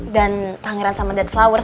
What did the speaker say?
dan pangeran sama deadflowers